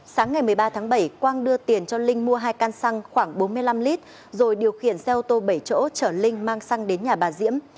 sáng ngày một mươi ba tháng bảy quang đưa tiền cho linh mua hai can xăng khoảng bốn mươi năm lít rồi điều khiển xe ô tô bảy chỗ chở linh mang xăng đến nhà bà diễm